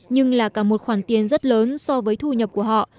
nhưng là cả một khoản tiền rất lớn so với thu nhập của họ